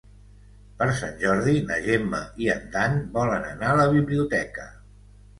Per Sant Jordi na Gemma i en Dan volen anar a la biblioteca.